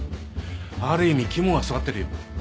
ある意味肝が据わってるよ。